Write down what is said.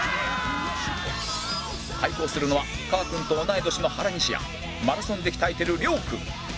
対抗するのはかーくんと同い年の原西やマラソンで鍛えている亮君